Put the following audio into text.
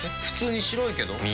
普通に白いけど。